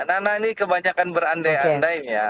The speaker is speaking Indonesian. nana ini kebanyakan berandai andai ya